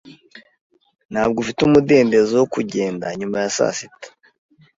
Ntabwo nfite umudendezo wo kugenda nyuma ya saa sita.